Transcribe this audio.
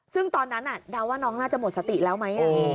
ซึ่งตอนนั้นเดาว่าน้องน่าจะหมดสติแล้วไหม